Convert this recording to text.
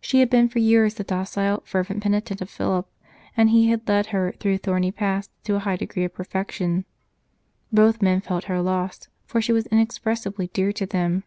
She had been for years the docile, fervent penitent of Philip, and he had led her through thorny paths to a high degree of perfection. Both men felt her loss, for she was inexpressibly dear to them.